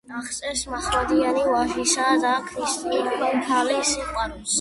აღწერს მაჰმადიანი ვაჟისა და ქრისტიანი ქალის სიყვარულს.